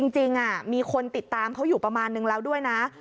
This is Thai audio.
มีคนติดตามเขาอยู่ประมาณนึงแล้วด้วยนะ